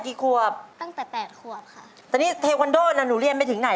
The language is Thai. ทีกวันโดตอนนี้จะเรียนไปที่ไหน